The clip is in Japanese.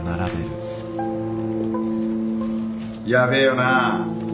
やべえよなあ。